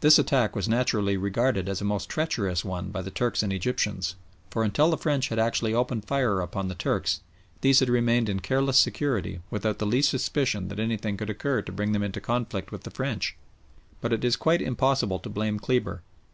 This attack was naturally regarded as a most treacherous one by the Turks and Egyptians, for until the French had actually opened fire upon the Turks these had remained in careless security without the least suspicion that anything could occur to bring them into conflict with the French. But it is quite impossible to blame Kleber.